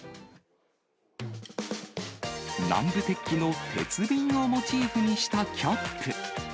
南部鉄器の鉄瓶をモチーフにしたキャップ。